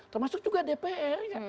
termasuk juga dpr